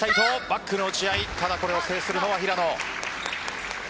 バックの打ち合いただ、これを制するのは平野。